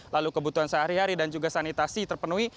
lalu kebutuhan sehari hari dan juga sanitasi terpenuhi